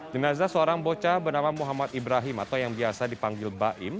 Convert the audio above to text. jenazah seorang bocah bernama muhammad ibrahim atau yang biasa dipanggil baim